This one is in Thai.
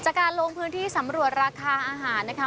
การลงพื้นที่สำรวจราคาอาหารนะคะ